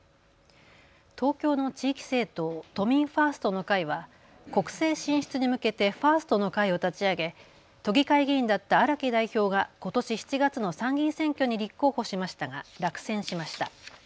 東京の地域政党、都民ファーストの会は国政進出に向けてファーストの会を立ち上げ都議会議員だった荒木代表がことし７月の参議院選挙に立候補しましたが落選しました。